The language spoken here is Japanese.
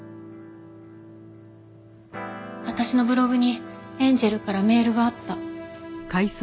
私のブログにエンジェルからメールがあった。